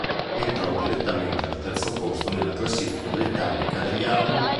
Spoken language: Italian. Entrò direttamente al terzo posto nella classifica britannica degli album.